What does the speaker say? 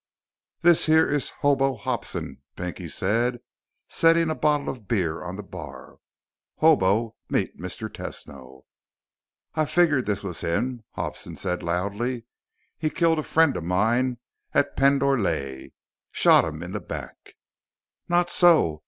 "This here is Hobo Hobson," Pinky said, setting a bottle of beer on the bar. "Hobo, meet Mr. Tesno." "I figured this was him," Hobson said loudly. "He killed a friend of mine at Pend Oreille. Shot him in the back." "Not so!"